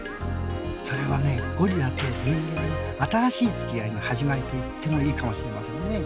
それはゴリラと人間の新しい付き合いの始まりといってもいいかもしれませんね。